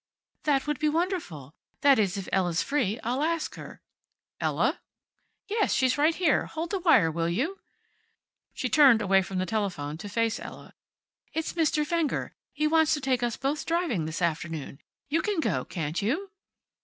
"That would be wonderful. That is, if Ella's free. I'll ask her." "Ella?" "Yes. She's right here. Hold the wire, will you?" She turned away from the telephone to face Ella. "It's Mr. Fenger. He wants to take us both driving this afternoon. You can go, can't you?"